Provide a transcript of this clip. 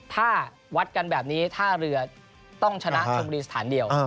ถ้าวัดกันแบบนี้ถ้าเรือต้องชนะตรงบริษฐานเดียว